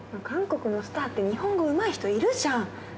韓国のスターって日本語うまい人いるじゃん。